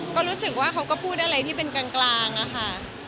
ก็รู้สึกว่าเขาก็พูดอะไรที่เป็นกลางอะค่ะ